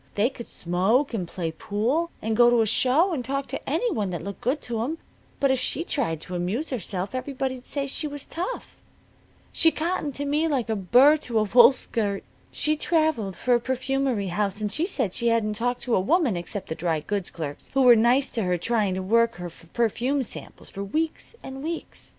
They could smoke, and play pool, and go to a show, and talk to any one that looked good to 'em. But if she tried to amuse herself everybody'd say she was tough. She cottoned to me like a burr to a wool skirt. She traveled for a perfumery house, and she said she hadn't talked to a woman, except the dry goods clerks who were nice to her trying to work her for her perfume samples, for weeks an' weeks.